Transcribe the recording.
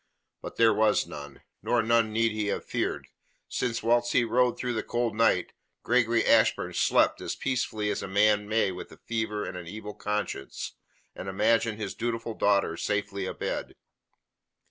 But there was none, nor none need he have feared, since whilst he rode through the cold night, Gregory Ashburn slept as peacefully as a man may with the fever and an evil conscience, and imagined his dutiful daughter safely abed.